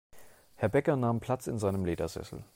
Herr Bäcker nahm Platz in seinem Ledersessel.